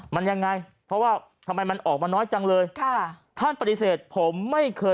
มันยังไงเพราะว่าทำไมมันออกมาน้อยจังเลยค่ะท่านปฏิเสธผมไม่เคย